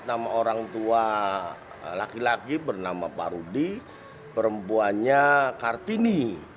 nama orang tua laki laki bernama pak rudi perempuannya kartini